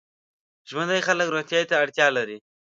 ژوندي خلک روغتیا ته اړتیا لري